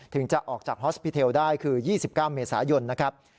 จะออกจากฮอสปิเทลได้คือ๒๙เมษายนนะครับ